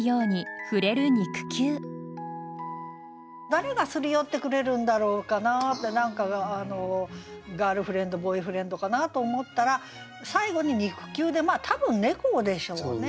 誰がすり寄ってくれるんだろうかなって何かガールフレンドボーイフレンドかなと思ったら最後に「肉球」で多分猫でしょうね。